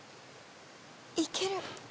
いける。